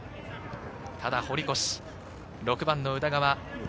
ただ堀越、６番の宇田川。